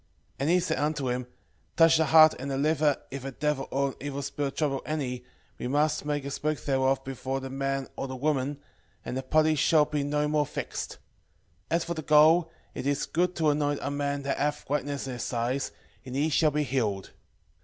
6:7 And he said unto him, Touching the heart and the liver, if a devil or an evil spirit trouble any, we must make a smoke thereof before the man or the woman, and the party shall be no more vexed. 6:8 As for the gall, it is good to anoint a man that hath whiteness in his eyes, and he shall be healed.